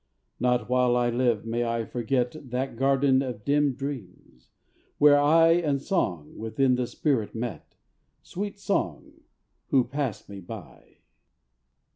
_ _Not while I live may I forget That garden of dim dreams! where I And Song within the spirit met, Sweet Song, who passed me by.